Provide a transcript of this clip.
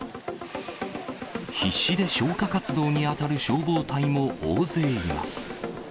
必死で消火活動に当たる消防隊も大勢います。